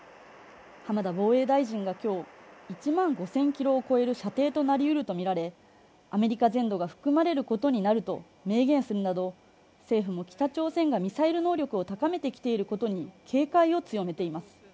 浜田防衛大臣は今日、１万５０００ｋｍを超える射程となりうるとみられアメリカ全土が含まれることになると明言するなど、政府も北朝鮮がミサイル能力を高めてきていることに警戒を強めています。